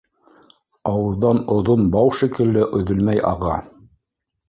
Ауыҙҙан оҙон бау шикелле өҙөлмәй аға.